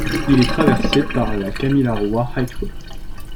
Il est traversé par la Kamilaroi Highway.